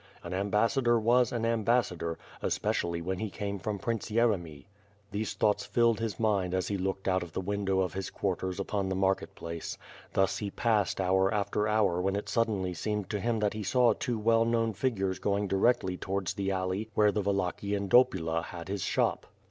An ambassador was an ambassador, especially when he came from Prince Yeremy. These thoughts filled his mind as he looked out of the window of his quarters upon the market place. Thus he passed hour after hour when it suddenly seemed to him that he saw two well known figures going directly towards the alley where the Wallachian I>opula had his shop.